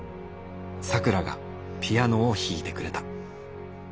咲良がピアノを弾いてくれた。